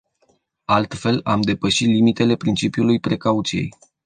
Altfel, am depăși limitele principiului precauției.